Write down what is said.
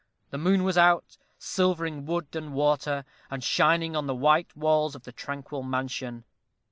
The moon was out, silvering wood and water, and shining on the white walls of the tranquil mansion.